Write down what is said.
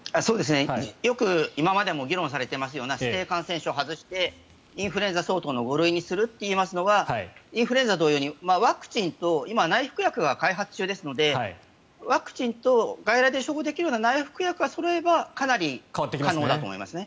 よく今までも議論されているような指定感染症を外してインフルエンザ相当の部類にするというのはインフルエンザ同様にワクチンと今、内服薬が開発中ですのでワクチンと外来で処方できるような内服薬がそろえば可能だと思いますね。